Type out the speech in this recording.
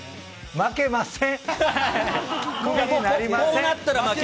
負けません。